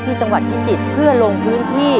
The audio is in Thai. ที่จังหวัดพิจิตย์